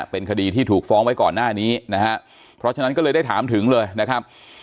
เป็นคดีที่ถูกฟ้องไว้ก่อนหน้านี้นะฮะเพราะฉะนั้นก็เลยได้ถามถึงเลยนะครับ